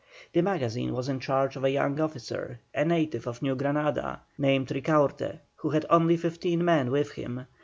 The magazine was in charge of a young officer, a native of New Granada, named Ricaurte, who had only fifteen men with him.